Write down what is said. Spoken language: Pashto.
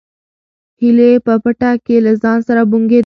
هیلې په پټه کې له ځان سره بونګېده.